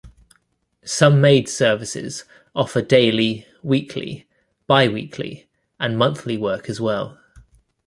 Some maid services offer daily, weekly, bi-weekly, and monthly work as well.